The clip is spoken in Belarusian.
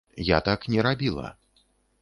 Я так не рабіла.